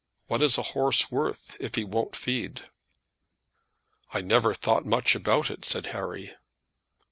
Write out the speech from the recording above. What is a horse worth, if he won't feed?" "I never thought much about it," said Harry.